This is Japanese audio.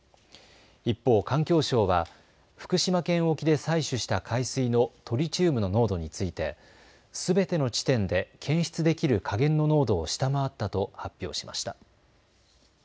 一方、環境省は福島県沖で採取した海水のトリチウムの濃度についてすべての地点で検出できる下限の濃度を下回ったと発表しました。